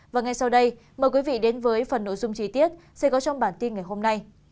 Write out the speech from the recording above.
và ngay sau đây mời quý vị đến với phần nội dung chi tiết sẽ có trong bản tin ngày hôm nay